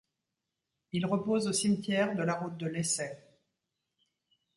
Il repose au cimetière de la route de Lessay.